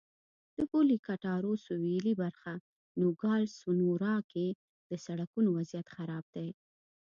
د پولې کټارو سوېلي برخه نوګالس سونورا کې د سړکونو وضعیت خراب دی.